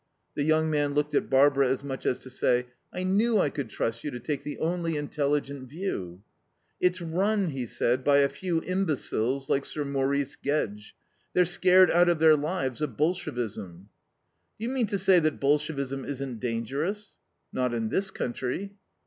The young man looked at Barbara as much as to say, "I knew I could trust you to take the only intelligent view." "It's run," he said, "by a few imbeciles, like Sir Maurice Gedge. They're scared out of their lives of Bolshevism." "Do you mean to say that Bolshevism isn't dangerous?" "Not in this country."